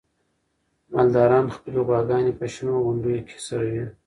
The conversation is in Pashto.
مالداران خپلې غواګانې په شنو غونډیو کې څروي.